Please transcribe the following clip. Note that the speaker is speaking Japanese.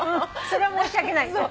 それは申し訳ない。